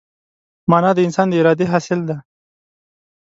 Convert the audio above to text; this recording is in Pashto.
مانا د انسان د ارادې حاصل ده.